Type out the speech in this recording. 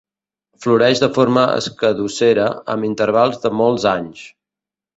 Floreix de forma escadussera, amb intervals de molts anys.